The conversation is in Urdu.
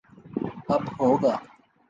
اب ہو گا